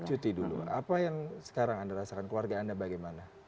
cuti dulu apa yang sekarang anda rasakan keluarga anda bagaimana